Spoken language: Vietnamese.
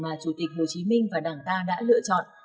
mà chủ tịch hồ chí minh và đảng ta đã lựa chọn